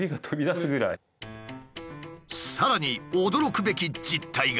さらに驚くべき実態が。